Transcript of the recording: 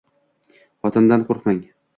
Xotindan qo‘rqmang